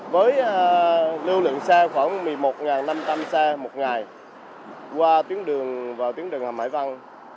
với lưu lượng xe khoảng một mươi một năm trăm linh xe một ngày qua tuyến đường và tuyến đường hầm hải vân